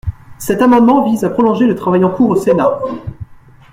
Cet amendement vise à prolonger le travail en cours au Sénat.